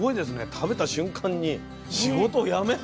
食べた瞬間に仕事を辞めて。